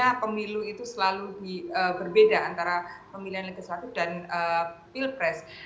karena pemilu itu selalu berbeda antara pemilihan legislatif dan pilpres